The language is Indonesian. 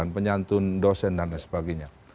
penyantun dosen dan lain sebagainya